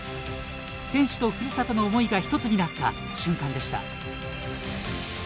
選手とふるさとの思いが一つになった瞬間でした。